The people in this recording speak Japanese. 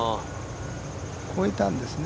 越えたんですね。